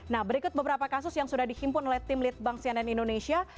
nah berikut beberapa kasus yang sudah dihimpun oleh tim litbang cnn indonesia